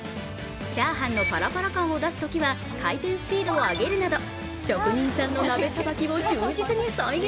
チャーハンのパラパラ感を出すときには回転スピードを上げるなど、職人さんの鍋さばきを忠実に再現。